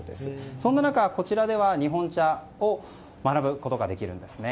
そんな中、こちらでは日本茶を学ぶことができるんです。